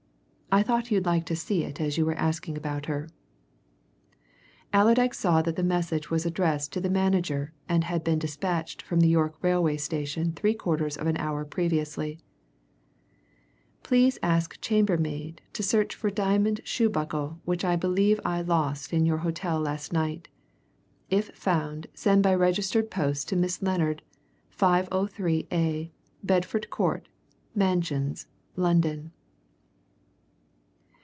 I thought you'd like to see it as you were asking about her." Allerdyke saw that the message was addressed to the manager, and had been dispatched from York railway station three quarters of a hour previously. "Please ask chambermaid to search for diamond shoe buckle which I believe I lost in your hotel last night. If found send by registered post to Miss Lennard, 503_a_, Bedford Court Mansions, London."